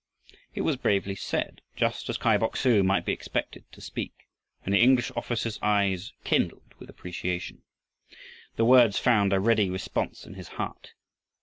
It was bravely said, just as Kai Bok su might be expected to speak, and the English officer's eyes kindled with appreciation. The words found a ready response in his heart.